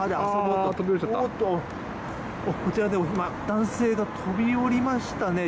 こちらで男性が飛び降りましたね。